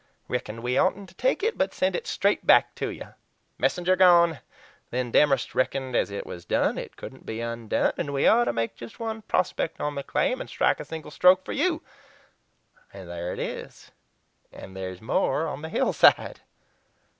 Reckoned we oughtn't to take it, but send it straight back to you. Messenger gone! Then Demorest reckoned as it was done it couldn't be undone, and we ought to make just one 'prospect' on the claim, and strike a single stroke for you. And there it is. And there's more on the hillside."